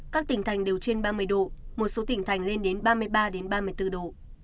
các tỉnh thành đều trên ba mươi độ một số tỉnh thành lên đến ba mươi ba ba mươi bốn độ